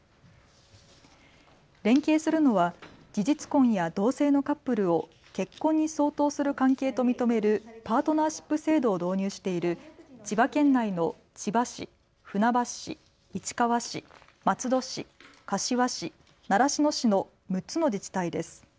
連携するのは事実婚や同性のカップルを結婚に相当する関係と認めるパートナーシップ制度を導入している千葉県内の千葉市、船橋市、市川市、松戸市、柏市、習志野市の６つの自治体です。